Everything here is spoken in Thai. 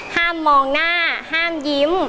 ห้ามมองหน้าห้ามยิ้ม